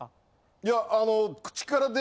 いやあの。